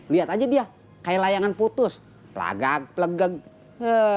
lihat aja dia kayak layangan putus pelagak plegak